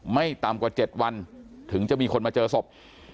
ไม่ต่ำกว่า๗วันถึงจะมีคนมาเจอศพ